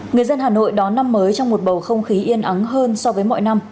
người dân hà nội đón năm mới trong một bầu không khí yên ấm hơn so với mọi năm